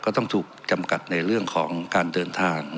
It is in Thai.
ต้องถูกจำกัดในเรื่องของการเดินทาง